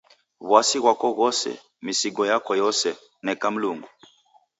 W'asi ghwako ghose, misigo yako yose, neka Mlungu.